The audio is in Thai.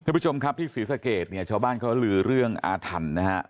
ท่านผู้ชมครับที่ศรีษะเกศเนี่ยเช้าบ้านก็ลื้อเรื่องอาถรรณนะฮะ